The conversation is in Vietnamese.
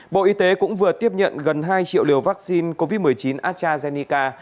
bộ y tế cũng vừa tiếp nhận gần hai triệu liều vaccine covid một mươi chín astrazeneca